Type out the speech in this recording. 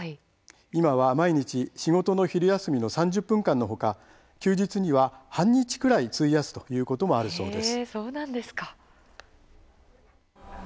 今は毎日、仕事の昼休みの３０分間の他休日には半日くらい費やすということもあるそうです。